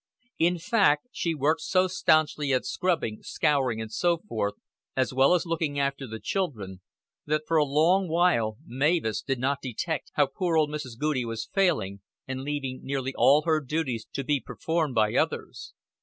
In fact she worked so stanchly at scrubbing, scouring, and so forth, as well as looking after the children, that for a long while Mavis did not detect how poor old Mrs. Goudie was failing, and leaving nearly all her duties to be performed by others.